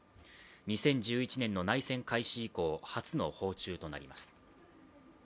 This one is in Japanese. ２０１１年の内戦開始以降初の訪中となります。